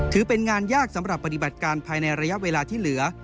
ถือเป็นงานยากสำหรับปฏิบัติการภายในระยะเวลาที่เหลือ